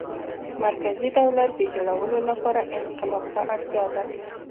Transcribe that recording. مرکزي دولت د جوړولو لپاره انقلاب ته اړتیا ده.